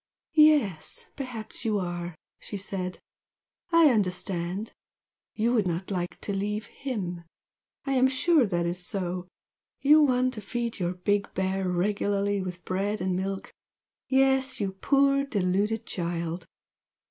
"Yes! perhaps you are!" she said "I understand! You would not like to leave HIM! I am sure that is so! You want to feed your big bear regularly with bread and milk yes, you poor deluded child!